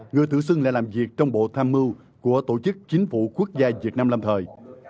người tự xưng lại làm việc trong bộ tham mưu của tổ chức chính phủ quốc gia việt nam lâm thời